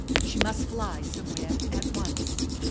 She must fly somewhere at once.